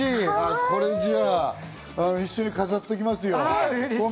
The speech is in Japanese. これ一緒に飾っておきますよ。